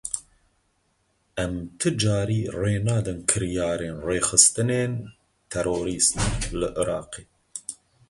Em ti carî rê nadin kiryarên rêxistinên terorîst li Iraqê.